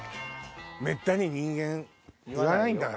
めったに人間言わないんだから。